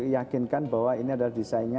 yakinkan bahwa ini adalah desainnya